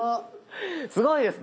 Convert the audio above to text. すごいです。